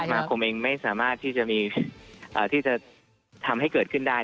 ตอนนี้ถึงผมเองไม่สามารถที่จะทำให้เกิดขึ้นได้